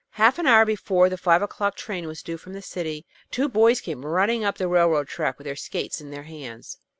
Half an hour before the five o'clock train was due from the city, two boys came running up the railroad track with their skates in their hands.